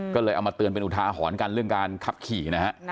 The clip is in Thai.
ก็เลยเอามาเตือนเป็นอุทาหรณ์กันเรื่องการขับขี่นะฮะ